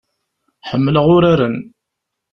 Ḥemmleɣ uraren.